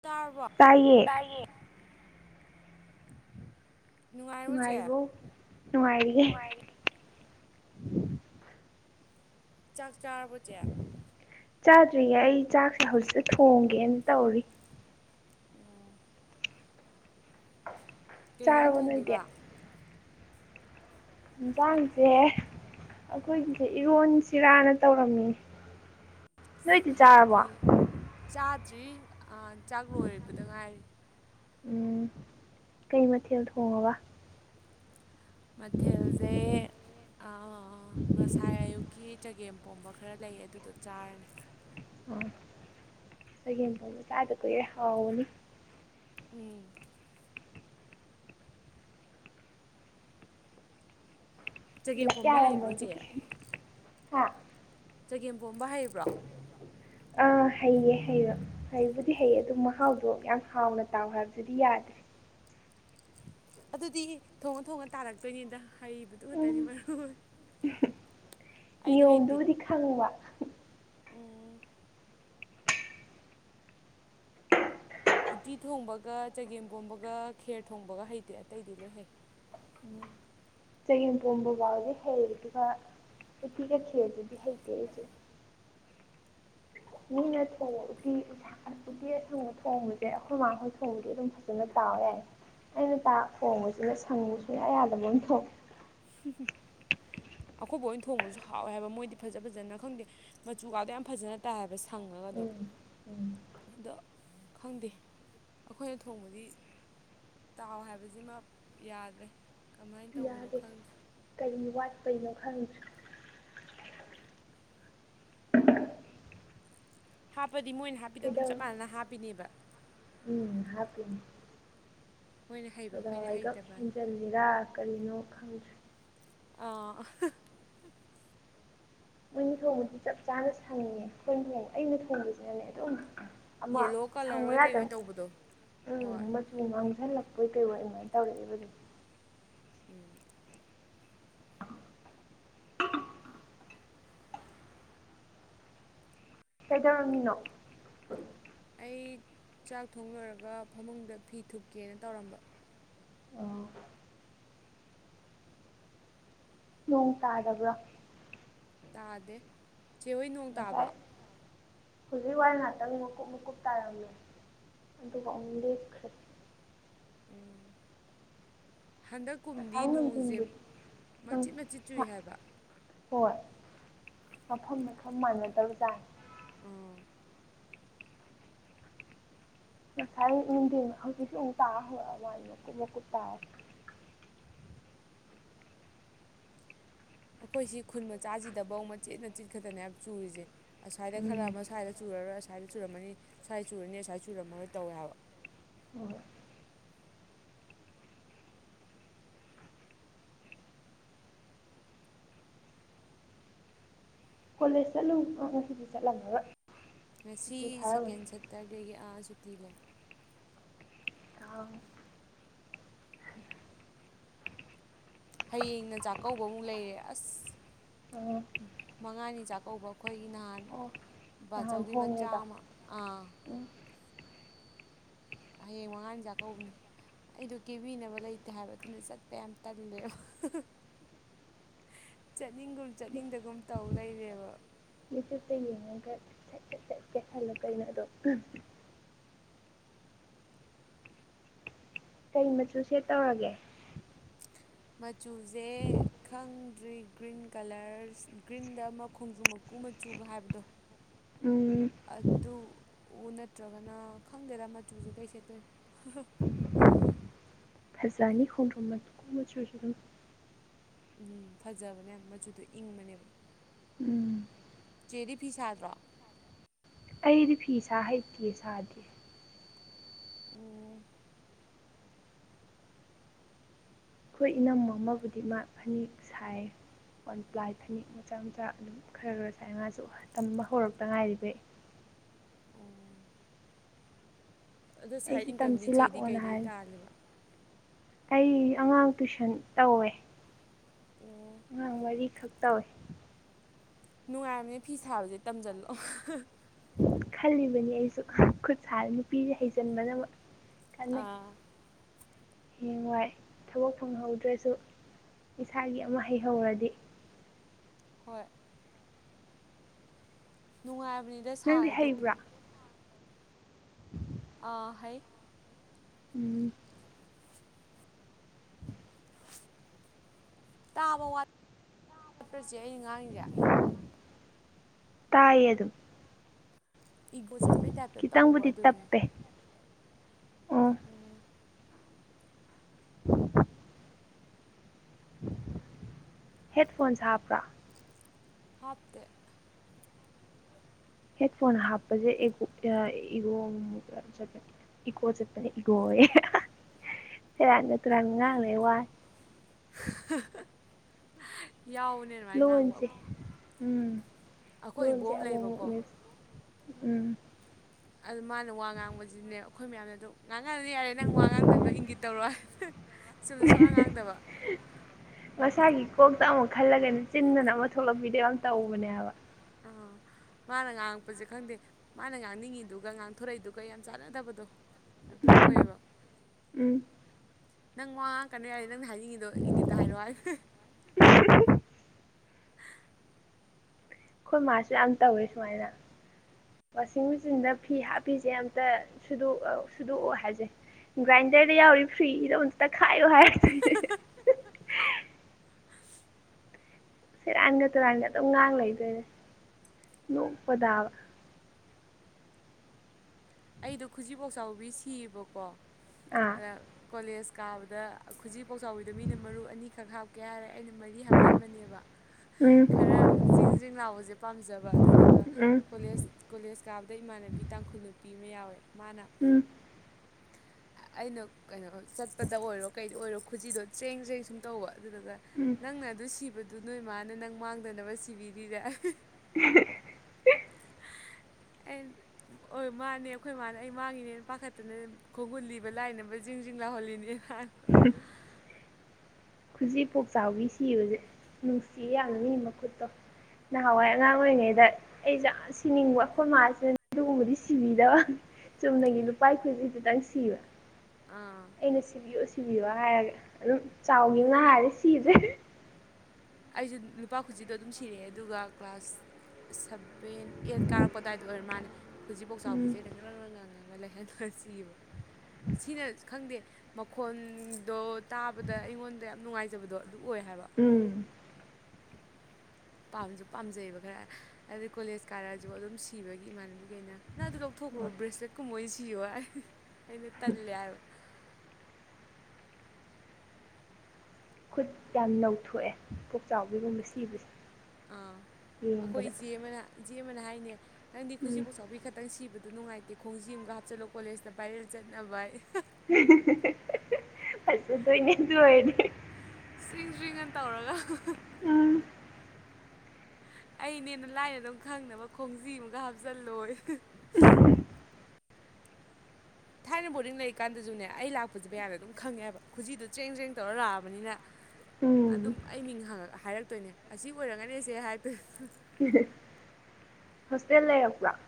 ꯇꯥꯔꯕꯣ ꯇꯥꯏꯌꯦ ꯇꯥꯏꯌꯦ ꯅꯨꯡꯉꯥꯏꯔꯤꯕꯣ ꯅꯨꯡꯉꯥꯏꯔꯤꯌꯦ ꯅꯨꯡꯉꯥꯏꯔꯤ ꯆꯥꯛ ꯆꯥꯔꯕꯣ ꯆꯦ ꯆꯥꯗ꯭ꯔꯤꯌꯦ ꯑꯩ ꯆꯥꯛꯁꯦ ꯍꯧꯖꯤꯛꯛꯇ ꯊꯣꯡꯒꯦꯅ ꯇꯧꯔꯤ ꯑꯣ ꯀꯩ ꯍꯦꯟꯖꯥꯡ ꯆꯥꯔꯕꯣ ꯅꯣꯏꯗꯤ ꯊꯣꯡꯗꯣꯏꯕ ꯍꯦꯟꯖꯥꯡꯁꯦ ꯑꯩꯈꯣꯏꯒꯤꯁꯦ ꯏꯔꯣꯟ ꯁꯤꯔꯥꯅ ꯇꯧꯔꯝꯃꯤ ꯏꯁ ꯍꯥꯎꯅꯤ ꯆꯥꯗ꯭ꯔꯤ ꯑꯥ ꯆꯥꯛ ꯂꯣꯏꯔꯕꯗ ꯉꯥꯏꯔꯤ ꯎꯝ ꯀꯩ ꯃꯊꯦꯜ ꯊꯣꯡꯉꯕ ꯃꯊꯦꯜꯖꯦ ꯑꯥ ꯉꯁꯥꯏ ꯑꯌꯨꯛ ꯀꯤ ꯆꯒꯦꯝꯄꯣꯝꯕ ꯈꯔ ꯂꯩ ꯑꯗꯨꯗꯣ ꯆꯥꯔꯅꯤ ꯆꯒꯦꯝ ꯄꯣꯝꯕ ꯆꯥꯗ ꯀꯨꯏꯔꯦ ꯍꯥꯎꯕꯅꯤ ꯎꯝ ꯆꯒꯦꯝ ꯂꯥꯛ ꯄꯣꯝꯕ ꯍꯩꯕ꯭ꯔꯣ ꯌꯥꯔꯝꯃꯗꯤ ꯆꯦ ꯍꯥ ꯆꯒꯦꯝꯄꯣꯝꯕ ꯍꯩꯌꯨ ꯑꯥ ꯍꯩꯌꯦ ꯍꯩꯕ ꯍꯩꯕꯨꯗꯤ ꯍꯩ ꯑꯗꯨꯝ ꯃꯍꯥꯎꯗꯣ ꯌꯥꯝ ꯍꯥꯎꯅ ꯇꯥꯎꯕ ꯍꯥꯏꯕꯗꯨꯗꯤ ꯌꯥꯗ꯭ꯔꯦ ꯑꯗꯨꯗꯤ ꯊꯣꯡꯉ ꯊꯣꯡꯉ ꯇꯥꯔꯛꯇꯣꯏꯅꯦꯗ ꯍꯥꯏꯔꯤꯕꯅꯤꯣ ꯑꯗꯨꯛꯇꯅꯤ ꯎꯝ ꯃꯔꯨ ꯑꯩꯗꯤ ꯍꯩꯇꯦ ꯍꯪꯕ ꯎꯝ ꯎꯠꯇꯤ ꯊꯣꯡꯕꯒ ꯆꯒꯦꯝ ꯄꯣꯝꯕꯒ ꯈꯦꯔ ꯊꯣꯡꯕꯒ ꯍꯩꯇꯦ ꯑꯇꯩꯗꯤ ꯂꯣꯏ ꯍꯩ ꯆꯒꯦꯡꯄꯣꯝꯕ ꯐꯥꯎꯗꯤ ꯍꯩꯔꯦꯗꯨ ꯎꯇꯤꯒ ꯊꯦꯜꯗꯨꯗꯤ ꯍꯩꯇꯦ ꯑꯩꯁꯦ ꯃꯤ ꯌꯦ ꯀ ꯑꯗꯨꯗꯤ ꯑꯁꯪꯕ ꯊꯣꯡꯕꯁꯦ ꯑꯩꯈꯣꯏ ꯃꯥꯥꯡꯈꯣꯏ ꯊꯣꯡꯕꯗꯤ ꯑꯗꯨꯝ ꯐꯖꯅ ꯇꯥꯎ ꯌꯥꯏ ꯑꯩꯅ ꯇꯥꯛ ꯍꯣꯡꯕꯁꯤꯗ ꯁꯪꯕꯁꯨ ꯑꯌꯥꯗꯕ ꯑꯃ ꯊꯣꯛꯏ ꯍ ꯍ ꯑꯀꯣꯏꯕ ꯑꯣꯏꯅ ꯊꯣꯡꯕꯁꯨ ꯍꯥꯎꯋꯦ ꯍꯥꯏꯕ ꯃꯣꯏꯗꯤ ꯐꯖ ꯐꯖꯅ ꯈꯪꯗꯦ ꯃꯆꯨ ꯀꯥꯗꯣ ꯌꯥꯝ ꯐꯖꯅ ꯇꯥꯏꯕ ꯁꯪꯉꯒ ꯑꯗꯨꯝ ꯎꯝ ꯑꯗꯣ ꯈꯪꯗꯦ ꯑꯩꯈꯣꯏꯅ ꯊꯣꯡꯕꯗꯤ ꯇꯥꯎ ꯍꯥꯏꯕꯁꯤꯃ ꯌꯥꯗ꯭ꯔꯦ ꯀꯃꯥꯏꯅ ꯇꯧꯕꯅꯣ ꯌꯥꯔꯦ ꯈꯪꯗꯦ ꯀꯅꯤ ꯋꯥꯠꯄꯩꯅꯣ ꯈꯪꯁꯨ ꯍꯥꯞꯄꯗꯤ ꯃꯣꯏꯅ ꯍꯥꯞꯄꯤꯗꯣ ꯑꯗꯨꯝ ꯆꯞ ꯀꯩꯗꯧꯔꯦ ꯃꯥꯟꯅꯅ ꯍꯥꯞꯄꯤꯅꯦꯕ ꯎꯝ ꯍꯥꯄꯤ ꯃꯣꯏꯅ ꯍꯩꯕ ꯑꯩꯈꯣꯏꯅ ꯀꯗꯥꯏꯋꯥꯏꯒꯞ ꯍꯩꯇꯕ ꯍꯦꯟꯖꯤꯜꯂꯤꯔꯥ ꯀꯔꯤꯅꯣ ꯈꯪꯁꯤ ꯑꯥ ꯃꯣꯏꯅ ꯊꯣꯡꯕꯗꯤ ꯆꯞ ꯆꯥꯅ ꯁꯪꯉꯉꯦ ꯑꯩꯈꯣꯏꯅ ꯊꯣꯡꯕ ꯑꯩꯅ ꯊꯣꯡꯕꯁꯤꯅꯅꯦ ꯑꯗꯨꯝ ꯑꯃ ꯌꯦꯂꯣ ꯀꯂꯔ ꯁꯪꯅ ꯑꯣꯏ ꯌꯥꯗ ꯀꯩꯑꯣꯏ ꯇꯧꯕꯗꯣ ꯍꯣꯏ ꯎꯝ ꯃꯥꯡꯓꯜꯂꯛꯄꯣꯏ ꯀꯩꯔꯣ ꯑꯗꯨꯃꯥꯏꯅ ꯇꯧꯔꯛꯏꯕꯗꯤ ꯎꯝ ꯀꯩꯗꯧꯔꯝꯃꯤꯅꯣ ꯑꯩ ꯆꯥꯛ ꯊꯣꯡ ꯂꯣꯏꯔꯒ ꯐꯃꯨꯡꯗ ꯐꯤ ꯊꯨꯀꯦꯅ ꯇꯧꯔꯝꯕ ꯑꯣ ꯅꯣꯡ ꯇꯥꯔꯕ꯭ꯔꯣ ꯇꯥꯗꯦ ꯆꯦꯍꯣꯏ ꯅꯣꯡ ꯇꯥꯕ꯭ꯔꯣ ꯑꯥꯏ ꯍꯧꯖꯤꯛ ꯋꯥ ꯉꯥꯛꯇꯪ ꯃꯀꯨꯞ ꯃꯀꯨꯞ ꯇꯥꯔꯝꯃꯦꯦ ꯑꯗꯨꯒ ꯑꯃꯨꯛꯦꯛ ꯎꯝ ꯍꯟꯗꯛ ꯀꯨꯝꯗꯤ ꯉꯁꯥꯏ ꯅꯣꯡꯁꯦ ꯅꯨꯡꯊꯤꯟꯕꯨꯗꯤ ꯈꯤꯇꯪ ꯃꯆꯤꯠ ꯃꯆꯤꯠ ꯆꯨꯏ ꯍꯥꯏꯕ ꯍꯣꯏ ꯃꯐꯝ ꯃꯐꯝ ꯃꯥꯟꯅꯗꯕꯖꯥꯅꯤ ꯎꯝ ꯉꯁꯥꯏ ꯅꯨꯡꯊꯤꯟ ꯍꯧꯖꯤꯛꯁꯨꯨ ꯇꯥ ꯍꯧꯛ ꯃꯥꯅꯤ ꯃꯀꯨꯞ ꯃꯀꯨꯞ ꯇꯥꯔꯦ ꯑꯩꯈꯣꯏ ꯁꯤ ꯈꯨꯟ ꯃꯆꯥꯁꯤꯗꯐꯧ ꯃꯆꯦꯠ ꯃꯆꯦꯠ ꯈꯛꯇꯅꯦ ꯍꯥꯏꯕ ꯆꯨꯔꯤꯁꯦ ꯑꯁ꯭ꯏꯗ ꯈꯔ ꯎꯝ ꯑꯃ ꯁ꯭ꯋꯥꯏꯗ ꯆꯨꯔꯔꯣꯏꯁ꯭ꯋꯥꯏꯗ ꯆꯨꯔꯝꯃꯅꯤ ꯁ꯭ꯋꯥꯏꯗ ꯆꯨꯔꯅꯤ ꯑꯁ꯭ꯋꯥꯗ ꯆꯨꯔꯝꯃꯔꯣꯏ ꯇꯧꯋꯦ ꯍꯥꯏꯕ ꯑꯣ ꯀꯣꯂꯦꯖ ꯆꯠꯂꯨ ꯉꯁꯤꯗꯤ ꯆꯠꯂꯝꯃꯔꯣꯏ ꯉꯁꯤ ꯁꯨꯇꯤ ꯁꯦꯀꯦꯟ ꯊꯥꯔꯝꯃꯅꯤ ꯁꯇꯔꯗꯦꯒꯤ ꯑꯥ ꯁꯨꯇꯤ ꯂꯩ ꯑꯥꯎ ꯍꯌꯦꯡꯅ ꯆꯥꯛꯀꯧꯕ ꯑꯃꯨꯛ ꯂꯩꯔꯦ ꯑꯁ ꯑꯣ ꯃꯉꯥꯅꯤ ꯆꯥꯛꯀꯧꯕ ꯑꯩꯈꯣꯏꯒꯤ ꯅꯍꯥꯟ ꯑꯣ ꯅꯍꯥꯟ ꯕꯥꯆꯧꯒꯤ ꯃꯆꯥ ꯍꯣꯡꯉꯦꯗꯣ ꯑꯃ ꯑꯥ ꯍꯌꯦꯡ ꯃꯉꯥꯅꯤ ꯆꯥꯛꯀꯧꯕꯅꯦ ꯑꯩꯗꯣ ꯀꯦꯕꯤꯅꯕ ꯂꯩꯇꯦ ꯍꯥꯏꯕ ꯑꯗꯨꯅ ꯆꯠꯄ ꯌꯥꯝ ꯇꯜꯂꯦꯕ ꯆꯠꯅꯤꯡꯒꯨꯝ ꯆꯠꯅꯤꯡꯗꯒꯨꯝ ꯇꯧ ꯂꯩꯔꯦꯕ ꯃꯤꯆꯇ ꯌꯦꯡꯉꯒꯠ ꯁꯠ ꯀꯠꯠ ꯆꯠ ꯍꯜꯂ ꯀꯩꯅꯣ ꯑꯗꯣ ꯀꯩ ꯃꯆꯨ ꯁꯦꯠ ꯇꯧꯔꯒꯦ ꯃꯆꯨꯁꯦ ꯈꯪꯗ꯭ꯔꯤ ꯒ꯭ꯔꯤꯟ ꯀꯂꯔꯁ ꯒ꯭ꯔꯤꯟꯗ ꯑꯃ ꯈꯣꯡꯗ꯭ꯔꯨꯃꯛ ꯀꯨ ꯃꯆꯨꯒ ꯍꯥꯏꯕꯗꯣ ꯎꯝ ꯑꯗꯨ ꯑꯣ ꯅꯠꯇ꯭ꯔꯒꯅ ꯈꯪꯗꯦꯗ ꯃꯆꯨꯁꯦ ꯀꯩ ꯁꯦꯠꯇꯣꯏꯅꯣ ꯐꯖꯅꯤ ꯈꯣꯡꯗ꯭ꯔꯨꯝꯕ ꯀꯨꯝꯕꯆꯁꯨ ꯑꯗꯨꯝ ꯎꯝ ꯐꯖꯕꯅꯦ ꯃꯆꯨꯗꯣ ꯏꯪꯕꯅꯦꯕ ꯎꯝ ꯆꯦꯔꯤ ꯐꯤ ꯁꯥꯗ꯭ꯔꯣ ꯑꯩꯗꯤ ꯐꯤꯁꯥ ꯍꯩꯇꯦ ꯁꯥꯗꯦ ꯎꯝ ꯑꯩꯈꯣꯏ ꯏꯅꯝ ꯑꯃꯕꯨꯗꯤ ꯃꯥ ꯐꯅꯦꯛ ꯁꯥꯏ ꯋꯥꯟ ꯄ꯭ꯂꯥꯏ ꯐꯅꯦꯛ ꯃꯆꯥ ꯃꯆꯥ ꯑꯗꯨꯝ ꯈꯔ ꯈꯔ ꯁꯥꯏꯅ ꯉꯥꯁꯨ ꯇꯝꯕ ꯍꯧꯔꯛꯇ ꯉꯥꯏꯔꯤꯕꯩ ꯑꯣ ꯑꯗꯣ ꯁꯥꯏꯠ ꯑꯩꯁꯨ ꯏꯟꯀꯝꯗꯤ ꯇꯝꯁꯤ ꯆꯦꯗꯤ ꯂꯥꯛꯑꯣꯅ ꯀꯩꯗꯩ ꯍꯥꯏ ꯇꯥꯜꯂꯤꯕ ꯑꯩ ꯑꯉꯥꯡ ꯇꯨꯏꯁꯟ ꯇꯧꯋꯦ ꯑꯣ ꯑꯉꯥꯡ ꯃꯔꯤꯈꯛ ꯇꯧꯋꯦ ꯅꯨꯡꯉꯥꯏꯔꯕꯅꯦ ꯐꯤ ꯁꯥꯕꯁꯦ ꯇꯝꯖꯜꯂꯣ ꯈꯜꯂꯤꯕꯅꯤ ꯑꯩꯁꯨ ꯈꯨꯠ ꯁꯥ ꯅꯨꯄꯤꯁꯦ ꯍꯩꯖꯤꯟꯕꯅ ꯀ ꯑꯥ ꯍꯦꯡꯋꯥꯏ ꯊꯕꯛ ꯐꯪꯍꯧꯗ꯭ꯔꯁꯨ ꯏꯁꯥꯒꯤ ꯑꯃ ꯍꯩꯍꯧꯔꯗꯤ ꯍꯣꯏ ꯅꯨꯡꯉꯥꯏꯕꯅꯤꯗ ꯅꯪꯗꯤ ꯁꯥꯔꯗꯤ ꯍꯩꯕ꯭ꯔꯥ ꯑꯥ ꯍ ꯎꯝ [inaudible] ꯇꯥꯕ ꯋꯥꯠꯄ꯭ꯔꯁꯦ ꯑꯩꯅ ꯉꯉꯥꯡꯁꯦ ꯇꯥꯏꯌꯦ ꯑꯗꯨ ꯑꯗꯨꯝ ꯏꯒꯣ ꯆꯠꯄꯩ ꯇꯥꯏꯞꯇ ꯇꯧꯎꯕ ꯈꯤꯇꯪꯕꯨꯗꯤ ꯑꯗꯨꯅꯦ ꯇꯞꯄꯦ ꯑꯣ ꯎꯝ ꯍꯦꯠꯐꯣꯟꯁ ꯍꯥꯞꯄ꯭ꯔꯥ ꯍꯥꯞ ꯍꯦꯠ ꯐꯣꯟ ꯍꯥꯞꯄꯁꯦ ꯏꯣ ꯆꯠꯄꯦ ꯏꯀꯣ ꯆꯠꯄꯅꯦ ꯏꯒꯣꯔꯥꯡ ꯆꯠꯇꯨꯔꯥꯟ ꯉꯥꯡ ꯂꯩ ꯋꯥꯏ ꯌꯥꯎꯎꯅꯦꯅ ꯂꯣꯟꯁꯦ ꯎꯝ ꯑꯩꯈꯣꯏ ꯂꯣꯟꯁꯦ ꯏꯕꯣꯝ ꯑꯃ ꯂꯩꯕꯀꯣ ꯑꯃꯨꯛꯃꯨꯛꯅꯦ ꯎꯝ ꯑꯗꯨ ꯃꯥꯅ ꯋꯥ ꯉꯥꯡꯕꯁꯤꯅꯦ ꯑꯩꯈꯣꯏ ꯃꯌꯥꯝꯅ ꯑꯗꯨ ꯉꯥꯡꯉꯥꯡꯗꯤ ꯌꯥꯔꯦ ꯅꯪ ꯋꯥ ꯉꯥꯡꯗꯗꯣ ꯏꯪꯒꯤ ꯇꯧꯔꯣ ꯁꯨꯝꯗ ꯁꯨꯉ ꯉꯥꯡꯗꯕ ꯉꯁꯥꯒꯤ ꯀꯣꯛꯇ ꯑꯃꯨꯛ ꯈꯜꯂꯒꯅ ꯆꯤꯟꯗꯅ ꯑꯃ ꯊꯣꯛꯂꯛꯄꯤꯗ ꯌꯥꯝ ꯇꯧꯕꯅꯦꯕ ꯑꯥ ꯃꯥꯅ ꯉꯥꯡꯉꯛꯄꯁꯦ ꯈꯪꯗꯦ ꯃꯥꯅ ꯉꯥꯡꯅꯤꯡꯉꯤꯗꯨꯒ ꯉꯥꯡꯊꯣꯔꯛꯏꯗꯨꯒ ꯌꯥꯝ ꯆꯥꯟꯅꯗꯕꯗꯣ ꯑꯗꯨ ꯑꯣꯏꯕ ꯎꯝ ꯅꯪ ꯋꯥ ꯀꯩꯅꯣ ꯌꯥꯔꯦ ꯅꯪꯅ ꯍꯥꯏꯅꯤꯡꯉꯤꯗꯣ ꯏꯪꯒꯤꯠꯇ ꯍꯥꯏꯔꯣꯑꯣ ꯍꯥꯏ ꯑꯩꯈꯣꯏ ꯃꯥꯁꯨ ꯌꯥꯝ ꯇꯧꯋꯦ ꯁꯨꯃꯥꯏꯅ ꯋꯥꯁꯤꯡ ꯃꯦꯆꯤꯟꯗ ꯐꯤ ꯍꯥꯞꯄꯤꯁꯦ ꯑꯝꯇ ꯁꯨꯗꯣꯛꯑꯣ ꯍꯥꯏꯁꯩ ꯒ꯭ꯔꯥꯏꯟꯗꯔꯗ ꯌꯥꯎꯔꯤ ꯐ꯭ꯔꯤꯗ ꯑꯃꯨꯇ ꯇꯛꯈꯥꯏꯌꯣ ꯍꯥꯏꯔ [inaudible] ꯁꯦꯔꯥꯟꯒ ꯇꯨꯔꯥꯟꯒ ꯑꯗꯨꯝ ꯉꯥꯡ ꯂꯩꯗꯣꯏꯅꯦ ꯅꯣꯛꯄꯗꯥꯕ ꯑꯩꯗꯣ ꯈꯨꯖꯤꯕꯣꯛ ꯆꯥꯎꯕꯤ ꯁꯤꯌꯦꯕꯀꯣ ꯑꯥ ꯑꯗ ꯀꯣꯂꯦꯖ ꯀꯥꯕꯗ ꯈꯨꯖꯤ ꯄꯥꯎ ꯆꯥꯎꯥꯎꯕꯤꯗꯣ ꯃꯤꯅ ꯃꯔꯨ ꯑꯅꯤꯈꯛ ꯍꯥꯞ ꯀꯌꯥ ꯂꯩꯦ ꯑꯩꯅ ꯃꯔꯤ ꯍꯥꯞꯍꯟꯕꯅꯦꯕ ꯎꯝ ꯈꯔ ꯆꯤꯡ ꯆꯤꯡ ꯂꯥꯎꯕꯁꯦ ꯄꯥꯝꯖꯕ ꯑꯗꯨꯗꯨꯒ ꯎꯝ ꯀꯣꯂꯦꯖ ꯀꯣꯂꯦꯖ ꯀꯥꯕꯗ ꯏꯃꯥꯟꯅꯕꯤ ꯇꯥꯡꯈꯨꯜ ꯅꯨꯄꯤ ꯑꯃ ꯌꯥꯎꯋꯦ ꯃꯥꯅ ꯎꯝ [unintelligible] [unintelligible] [inaudible] ꯑ-ꯑꯩꯅ ꯀꯩꯅꯣ ꯆꯠꯄꯗ ꯑꯣꯏꯔꯣ ꯀꯩꯗ ꯑꯣꯏꯔꯣ ꯈꯨꯖꯤꯗꯣ ꯆꯦꯡ ꯆꯦꯡ ꯁꯨꯝ ꯇꯧꯕ ꯑꯗꯨꯗꯨꯒ ꯎꯝ ꯅꯪꯅ ꯑꯗꯨ ꯁꯤꯕꯗꯨ ꯅꯣꯏ ꯃꯥꯅ ꯅꯪ ꯃꯥꯡꯗꯅꯕ ꯁꯤꯕꯤꯔꯤꯔꯥ ꯑꯦ ꯑꯣꯏ [unintelligible] ꯃꯥꯅꯦ ꯑꯩꯈꯣꯏ ꯃꯥꯅ ꯑꯩ ꯃꯥꯡꯒꯤꯅꯦꯅ ꯄꯥꯈꯠꯇꯅ ꯈꯣꯡꯒꯨꯜꯂꯤꯕ ꯂꯥꯏꯅꯕ ꯖꯤꯡꯖꯤꯡ ꯂꯥꯎꯍꯜꯂꯤꯅꯦ ꯍꯥꯏ [unintelligible] ꯈꯨꯖꯤ ꯄꯣꯛꯆꯥꯎꯕꯤ ꯁꯤꯕꯁꯦ ꯅꯨꯡꯁꯤ ꯌꯥꯝꯅ ꯃꯤ ꯃꯈꯨꯠꯇꯣ ꯅꯍꯥꯟꯋꯥꯏ ꯑꯉꯥꯡ ꯑꯣꯏꯔꯤꯉꯩꯗ ꯑꯩꯖꯦ ꯌꯥꯝ ꯁꯤꯅꯤꯡꯕ ꯑꯩꯈꯣꯏ ꯃꯥꯁꯤꯅ ꯑꯗꯨꯒꯨꯝꯕꯗꯤ ꯁꯤꯕꯤꯗꯕ ꯆꯨꯝꯅꯒꯤ ꯅꯨꯄꯥꯏ ꯈꯨꯖꯤ ꯗꯨꯇꯪ ꯁꯤꯕ ꯑꯥ ꯑꯩꯅ ꯁꯤꯕꯤꯌꯣ ꯁꯤꯕꯤꯌꯣ ꯍꯥꯏꯔꯒ ꯑꯗꯨꯝ ꯆꯥꯎꯒꯤꯝꯅ ꯍꯥꯜꯂꯦ ꯁꯤꯗꯔꯦ ꯑꯩꯁꯨ ꯂꯨꯄꯥ ꯈꯨꯖꯤꯗꯣ ꯑꯗꯨꯝ ꯁꯤꯔꯛꯑꯦ ꯑꯗꯨꯒ ꯀ꯭ꯂꯥꯁ ꯁꯚꯦꯟ ꯑꯥꯏꯠ ꯀꯥꯔꯛꯄ ꯑꯗꯨꯋꯥꯏꯗ ꯑꯣꯏꯔ ꯃꯥꯜꯂꯦ ꯈꯨꯖꯤꯐꯥꯎ ꯄꯣꯞꯆꯥꯎꯕꯤꯖꯦ ꯎꯝ ꯑꯩꯅ ꯉꯔꯪ ꯉꯔꯪ ꯉꯪꯉꯒ ꯂꯩꯍꯜꯂꯨꯔꯁꯤꯌꯦꯕ ꯁꯤꯅ ꯈꯪꯗꯦ ꯃꯈꯣꯟꯗꯣ ꯇꯥꯕꯗ ꯑꯩꯉꯣꯟꯗ ꯌꯥꯝ ꯅꯨꯡꯉꯥꯏꯖꯕꯗꯣ ꯑꯗꯨ ꯑꯣꯏ ꯍꯥꯏꯕ ꯎꯝ ꯄꯥꯝꯁꯨ ꯄꯥꯝꯖꯩꯌꯦꯕ ꯈꯔ ꯑꯩꯗꯤ ꯀꯣꯂꯦꯖ ꯀꯥꯔꯛꯑꯁꯨ ꯑꯗꯨꯝ ꯁꯤꯕꯒꯤ ꯏꯃꯥꯟꯅꯕꯤꯈꯩꯅ ꯅꯪ ꯑꯗꯨ ꯂꯧꯊꯣꯛꯈ꯭ꯔꯣ ꯕ꯭ꯔꯦꯁꯂꯦꯠ ꯀꯨꯝꯕ ꯑꯣꯏꯅ ꯁꯤꯌꯣ ꯍꯥꯏ ꯑꯩꯅ ꯇꯜꯂꯦ ꯍꯥꯏꯕ ꯈꯨꯠ ꯌꯥꯝ ꯅꯧꯊꯣꯛꯑꯦ ꯄꯨꯞ ꯆꯥꯎꯕꯤꯒꯨꯝꯕ ꯁꯤꯕꯁꯦ ꯑꯥ ꯑꯩꯈꯣꯏ ꯌꯦꯡꯕꯗ ꯏꯆꯦ ꯑꯃꯅ ꯏꯆꯦ ꯑꯃꯅ ꯍꯥꯏꯅꯦ ꯅꯪꯗꯤ ꯈꯨꯖꯤ ꯎꯝ ꯄꯣꯞ ꯆꯥꯎꯕꯤ ꯈꯛꯇꯪ ꯁꯤꯕꯗꯣ ꯅꯨꯡꯉꯥꯏꯇꯦ ꯈꯣꯡꯖꯤ ꯑꯃꯒ ꯍꯥꯞꯆꯤꯜꯂꯣ ꯀꯣꯂꯦꯖꯇ ꯚꯥꯏꯔꯦꯜ ꯆꯠꯅꯕ ꯑꯌꯦ [unintelligible] ꯐꯖꯗꯣꯏꯅꯤ ꯑꯗꯨ ꯑꯣꯏꯔꯗꯤ ꯖꯔꯤꯡ ꯖꯔꯤꯡꯉꯅ ꯇꯧꯔꯒ ꯎꯝ ꯑꯩꯅꯦꯅ ꯂꯥꯏꯅ ꯑꯗꯨꯝ ꯈꯪꯅꯕ ꯈꯣꯡꯖꯤ ꯑꯃꯒ ꯍꯥꯞꯆꯜꯂꯣꯌꯦ ꯊꯥꯏꯅ ꯕꯣꯔꯗꯤꯡ ꯂꯩꯔꯤꯀꯥꯟꯗꯁꯨꯅꯦ ꯑꯩ ꯂꯥꯛꯄꯁꯦ ꯃꯌꯥꯝꯗ ꯑꯗꯨꯝ ꯈꯪꯉꯦꯕ ꯈꯨꯖꯤꯗꯣ ꯆ꯭ꯔꯦꯡ ꯆ꯭ꯔꯦꯡ ꯇꯧꯔ ꯂꯥꯛꯑꯕꯅꯤꯅ ꯎꯝ ꯑꯗꯨꯝ ꯑꯩ ꯃꯤꯡ ꯍꯥꯏꯔꯛꯇꯣꯏꯅꯦ ꯑꯁꯤ ꯑꯣꯏꯔꯒꯅꯦꯁꯦ ꯍꯥꯗꯣꯏ [unintelligible] ꯍꯣꯁꯇꯦꯜ ꯂꯩꯔꯛꯄꯔꯣ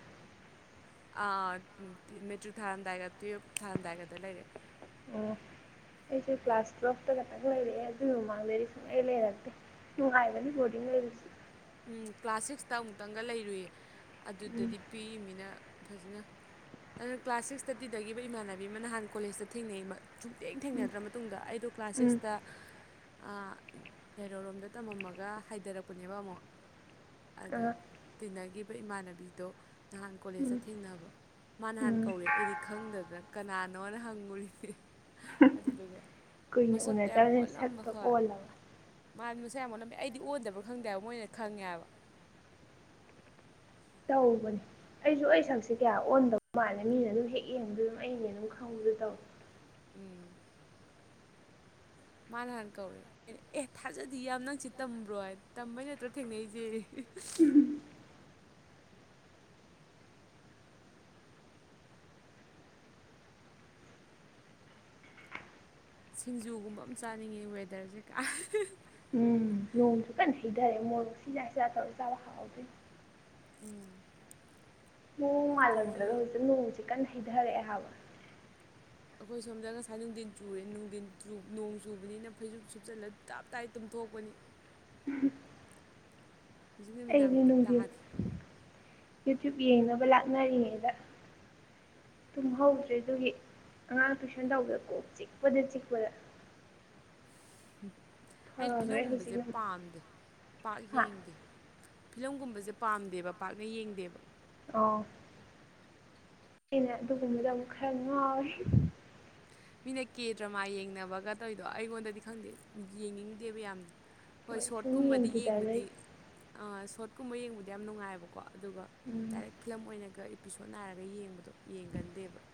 ꯑꯥ ꯗꯨꯗꯤ ꯃꯦꯇ꯭ꯔꯤꯛ ꯊꯥꯔꯝꯗꯥꯏꯒ ꯇꯨꯌꯦꯜꯞ ꯊꯥꯔꯝꯗꯥꯏꯒꯗ ꯂꯩꯔꯛꯑꯦ ꯑꯣ ꯑꯩꯁꯨ ꯀ꯭ꯂꯥꯁ ꯇꯨꯌꯦꯜꯞꯇꯥ ꯈꯛꯇꯡ ꯂꯩꯔꯛꯑꯦ ꯑꯗꯨꯏ ꯃꯃꯥꯡꯗꯗꯤ ꯁꯨꯛꯂꯩ ꯂꯩꯔꯛꯇꯦ ꯅꯨꯡꯉꯥꯏꯕꯅꯤ ꯕꯣꯔꯗꯤꯡ ꯂꯩꯕꯁꯤ ꯎꯝ ꯀ꯭ꯂꯥꯁ ꯁꯤꯛꯁꯇ ꯑꯃꯨꯛꯇꯪꯒ ꯂꯩꯔꯨꯏꯌꯦ ꯑꯗꯨꯗꯗꯤ ꯄꯤꯛꯏꯝꯃꯤꯅ ꯐꯖꯅ ꯑꯗꯨ ꯀ꯭ꯂꯥꯁ ꯁꯤꯛꯁꯇ ꯇꯤꯟꯅꯒꯤꯕ ꯏꯃꯥꯟꯅꯕꯤ ꯑꯃ ꯅꯍꯥꯟ ꯀꯣꯂꯦꯖꯇ ꯊꯦꯡꯅꯩ ꯃ ꯁꯨꯛꯊꯦꯡ ꯊꯦꯡꯅꯗ꯭ꯔ ꯃꯇꯨꯡꯗ ꯑꯩ ꯑꯗꯣ ꯀ꯭ꯂꯥꯁ ꯎꯝ ꯁꯤꯛꯁꯇ ꯑ ꯀꯩꯅꯣꯔꯣꯝꯗ ꯇꯝꯃꯝꯃꯒ ꯍꯥꯏꯗꯔꯛꯄꯅꯦꯕ ꯑꯃꯨꯛ ꯑꯗ ꯑ ꯇꯤꯟꯅꯒꯤꯕ ꯏꯃꯥꯟꯅꯕꯤꯗꯣ ꯅꯍꯥꯟ ꯀꯣꯂꯦꯖꯇ ꯎꯝ ꯊꯦꯡꯅꯕ ꯃꯥꯅ ꯍꯥꯟ ꯎꯝ ꯀꯧꯔꯛꯑꯦ ꯑꯩꯗꯤ ꯈꯪꯗꯗꯅ ꯀꯅꯥꯅꯣꯅ ꯍꯪꯉꯨꯔꯤꯅꯦ ꯑꯗꯨꯗꯨꯒ ꯀꯨꯏꯅ ꯃꯁꯛꯇꯨ ꯌꯥꯝ ꯎꯅꯗ꯭ꯔꯕꯅꯤꯅ ꯑꯣꯜꯂꯝꯕ ꯁꯛꯇꯣ ꯍꯣꯏ ꯑꯣꯜꯂꯕ ꯃꯥꯗꯤ ꯃꯁꯛ ꯌꯥꯝ ꯑꯣꯜꯂꯝꯃꯦ ꯑꯩꯗꯤ ꯑꯣꯟꯗ꯭ꯕꯔ ꯈꯪꯗꯦꯕ ꯃꯣꯏꯅ ꯈꯪꯉꯦꯕ ꯇꯧꯕꯅꯦ ꯑꯩꯁꯨ ꯑꯩ ꯁꯛꯁꯦ ꯀꯌꯥ ꯑꯣꯟꯗꯕ ꯃꯥꯜꯂꯦ ꯃꯤꯅ ꯑꯗꯨꯝ ꯍꯦꯛ ꯌꯦꯡꯕꯗ ꯑꯗꯨꯝ ꯑꯩꯩꯅ ꯑꯗꯨꯝ ꯈꯪꯕꯗꯣ ꯇꯧꯏ ꯎꯝ ꯃꯥꯅ ꯍꯥꯟ ꯀꯧꯔꯛꯏ ꯑꯦ ꯊꯥꯖꯗꯤ ꯌꯥꯝ ꯅꯪꯁꯤꯗ ꯇꯝꯕ꯭ꯔꯣ ꯇꯝꯕꯩ ꯅꯠꯇ꯭ꯔꯣ ꯊꯦꯡꯅꯩꯁꯦ ꯑꯦ ꯍꯦ ꯁꯤꯡꯖꯨꯒꯨꯝꯕ ꯑꯃ ꯆꯥꯅꯤꯡꯉꯤ ꯋꯦꯗꯔꯁꯦꯒ ꯎꯝ ꯅꯣꯡꯁꯨ ꯀꯟꯅ ꯍꯩꯊꯔꯦ ꯃꯣꯔꯣꯛ ꯁꯤꯖꯥ ꯁꯤꯖꯥ ꯇꯧꯔ ꯆꯥꯕ ꯍꯥꯎꯗꯣꯏꯅꯤ ꯎꯝ ꯃꯑꯣꯡ ꯁꯤꯡꯖꯨ ꯃꯥꯜꯂꯝꯗ꯭ꯔꯒ ꯍꯧꯖꯤꯛ ꯅꯣꯡꯁꯤ ꯀꯟꯅ ꯍꯩꯊꯔꯛꯑꯦ ꯍꯥꯏꯕ ꯑꯩꯈꯣꯏ ꯁꯣꯝꯗ ꯉꯁꯥꯏ ꯅꯨꯡꯊꯤꯟ ꯆꯨꯔꯦ ꯅꯨꯡꯊꯤꯟ ꯅꯣꯡ ꯆꯨꯕꯅꯤꯅ ꯐꯩꯁꯨꯨꯞ ꯁꯨꯞꯆꯜꯂ ꯇꯥꯞ ꯇꯥꯏ ꯇꯨꯝꯊꯣꯛꯄꯅꯤ [unintelligible] ꯍꯧꯖꯤꯛ ꯑꯩꯗꯤ ꯅꯨꯃꯤꯗꯥꯡꯕꯨꯗꯤ ꯅꯨꯡꯊꯤꯡ ꯇꯥꯗꯦ ꯌꯨꯇ꯭ꯌꯨꯕ ꯌꯦꯡꯅꯕ ꯂꯥꯛꯅꯔꯤꯉꯩꯗ ꯇꯨꯝ ꯍꯧꯗ꯭ꯔꯦ ꯑꯗꯨꯒꯤ ꯑꯉꯥꯡ ꯇꯨꯏꯁꯟ ꯇꯧꯕꯗ ꯀꯣꯛ ꯆꯤꯛꯄꯗ ꯆꯤꯛꯄꯗ ꯎꯝ ꯑꯩꯗꯤ ꯐꯈ꯭ꯔꯦ ꯐꯤꯂꯝꯒꯨꯝꯕꯁꯦ ꯍꯧꯖꯤꯛꯅ ꯄꯥꯝꯗꯦ ꯄꯥꯛ ꯍꯥ ꯌꯦꯡꯗꯦ ꯐꯤꯂꯝꯒꯨꯝꯕꯁꯦ ꯄꯥꯝꯗꯦꯕ ꯄꯥꯛꯅ ꯌꯦꯡꯗꯦꯕ ꯑꯣ ꯑꯩꯅ ꯑꯗꯨꯒꯨꯝꯕꯗ ꯑꯃꯨꯛ ꯈꯔ ꯉꯥꯎꯋꯦ ꯃꯤꯅ ꯀꯦ ꯗ꯭ꯔꯃꯥ ꯌꯦꯡꯅꯕꯒ ꯇꯧꯔꯤꯗꯣ ꯑꯩꯉꯣꯟꯗꯗꯤ ꯈꯪꯗꯦ ꯌꯦꯡꯅꯤꯡꯗꯦꯕ ꯌꯥꯝꯅ ꯫ ꯍꯣꯏ ꯁꯨꯝ ꯁꯣꯔꯠꯀꯨꯝꯕꯗꯤ ꯌꯦꯡꯕꯗꯤ ꯌꯦꯡꯈꯤꯗꯕꯩ ꯫ ꯑꯥ ꯁꯣꯔꯠꯀꯨꯝꯕ ꯌꯦꯡꯕꯗꯤ ꯌꯥꯝ ꯅꯨꯡꯉꯥꯏꯑꯕꯀꯣ ꯑꯗꯨꯒ ꯗꯥꯏꯔꯦꯛ ꯐꯤꯂꯝ ꯑꯣꯏꯅꯒ ꯑꯦꯄꯤꯁꯣꯠ ꯅꯥꯏꯔꯒ ꯌꯦꯡꯕꯗꯣ ꯌꯦꯡꯒꯟꯗꯦꯕ ꯫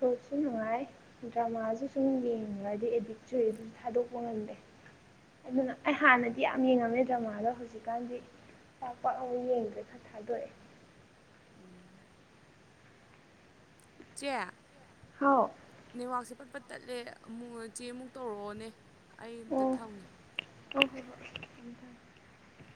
ꯁꯣꯔꯠꯁꯨ ꯅꯨꯡꯉꯥꯏ ꯗ꯭ꯔꯃꯥꯁꯨ ꯁꯨꯝ ꯌꯦꯡꯕꯗꯤ ꯑꯦꯗꯤꯛ ꯆꯨ ꯊꯥꯗꯣꯛꯄ ꯉꯝꯗꯦ ꯫ ꯑꯗꯨꯅ ꯑꯩ ꯍꯥꯟꯅꯗꯤ ꯌꯥꯝ ꯌꯦꯡꯉꯝꯃꯦ ꯗ꯭ꯔꯃꯥꯗꯣ ꯍꯧꯖꯤꯛꯀꯥꯟꯗꯤ ꯄꯥꯛ ꯄꯥꯛ ꯑꯃꯨꯛ ꯌꯦꯡꯗ꯭ꯔꯦ ꯈꯔ ꯊꯥꯗꯣꯛꯑꯦ ꯫ [inaudible] ꯆꯦ ꯍꯥꯎ ꯅꯦꯋꯥꯛꯁꯦ ꯄꯠꯄꯠ ꯇꯠꯂꯦ ꯑꯃꯨꯛ ꯆꯦꯃꯨꯛ ꯇꯧꯔꯛꯑꯣꯅꯦ ꯑꯩ ꯑꯃꯨꯛ ꯑꯣ ꯊꯝꯒꯦ ꯫ [unintelligible]